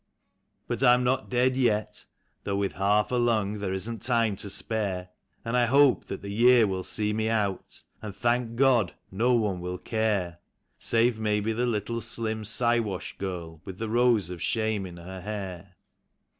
But I'm not dead yet; though with half a lung there isn't time to spare. And I hope that the year will see me out, and, thank God, no one will care — Save maybe the little slim Siwash girl with the rose of shame in her hair.